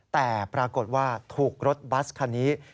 แต่ปรากฏว่าถูกรถบัสคันนี้